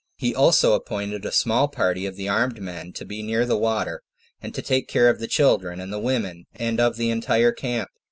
He also appointed a small party of the armed men to be near the water, and to take care of the children, and the women, and of the entire camp.